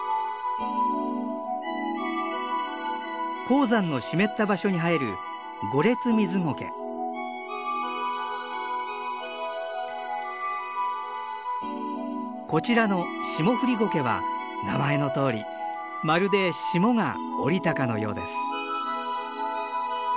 高山の湿った場所に生えるこちらのシモフリゴケは名前のとおりまるで霜が降りたかのようです。